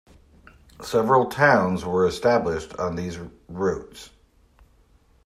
Several towns were established on these routes.